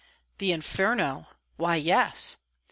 "The 'Inferno.' Why, yes."